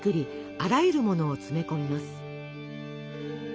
あらゆるものを積み込みます。